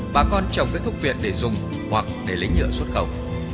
bà con trồng cây thuốc viện để dùng hoặc để lấy nhựa xuất khẩu